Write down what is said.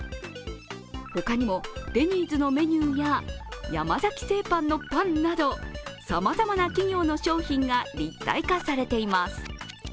他にも、デニーズのメニューや山崎製パンのパンなどさまざまな企業の商品が立体化されています。